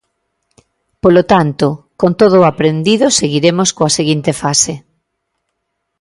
Polo tanto, con todo o aprendido seguiremos coa seguinte fase.